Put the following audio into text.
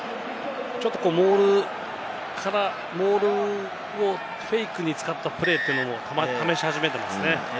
ちょっとモールから、モールをフェイクに使ったプレーというのも試し始めてますね。